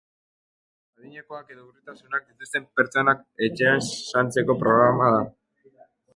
Adinekoak edo urritasunak dituzten pertsonak etxean zaintzeko programa da.